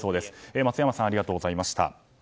松山さんありがとうございました。